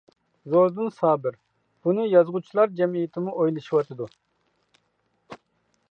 زوردۇن سابىر :-بۇنى يازغۇچىلار جەمئىيىتىمۇ ئويلىشىۋاتىدۇ.